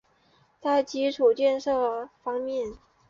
在基础建设方面